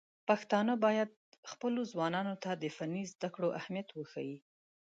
پښتانه بايد خپلو ځوانانو ته د فني زده کړو اهميت وښيي.